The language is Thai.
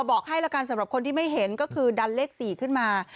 บอกให้ละกันสำหรับคนที่ไม่เห็นก็คือดันเลข๔ขึ้นมา